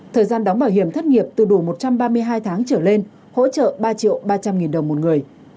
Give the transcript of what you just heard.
thời gian đóng bảo hiểm thất nghiệp từ đủ một trăm ba mươi hai tháng trở lên hỗ trợ ba triệu ba trăm linh nghìn đồng một người